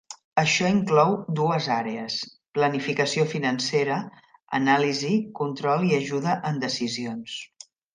Això inclou dues àrees: planificació financera, anàlisi, control i ajuda en decisions.